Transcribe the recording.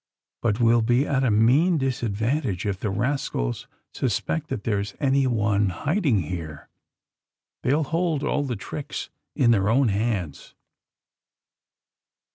But we'll be at a mean disadvantage if the rascals suspect that there's anyone hiding here. They'll hold all the tricks in their own hands